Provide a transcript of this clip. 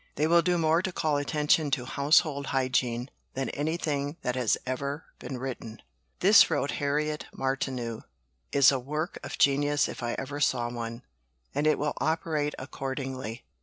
"They will do more to call attention to Household Hygiene than anything that has ever been written." "This," wrote Harriet Martineau, "is a work of genius if ever I saw one; and it will operate accordingly.